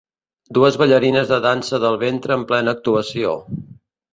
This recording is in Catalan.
Dues ballarines de dansa del ventre en plena actuació.